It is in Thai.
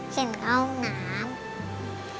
กินข้าวน้ำ